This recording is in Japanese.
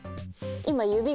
今。